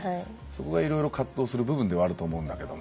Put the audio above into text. そこがいろいろ葛藤する部分ではあると思うんだけど。